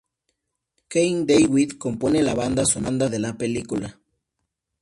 Keegan DeWitt compone la banda sonora de la película.